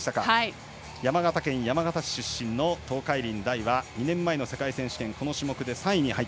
山形県山形市出身の東海林大は２年前の世界選手権この種目で３位。